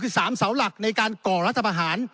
คือ๓เสาหลักในการก่อรัฐประหาร